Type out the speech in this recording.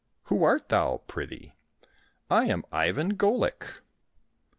Who art thou, pry thee ?"" I am Ivan Golik.